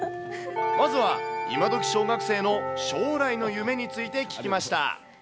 まずは、今どき小学生の将来の夢について聞きました。